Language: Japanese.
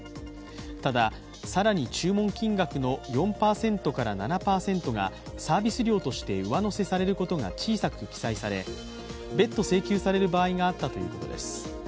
ただ更に注文金額の４％から７％がサービス料として上乗せされることが小さく記載され、別途請求される場合があったということです。